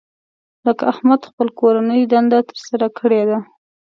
لکه احمد خپله کورنۍ دنده تر سره کړې ده.